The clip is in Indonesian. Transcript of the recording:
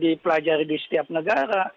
di pelajari di setiap negara